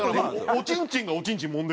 「おちんちんがおちんちん」